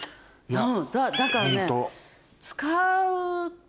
だからね。